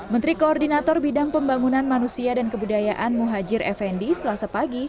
menteri koordinator bidang pembangunan manusia dan kebudayaan muhajir effendi selasa pagi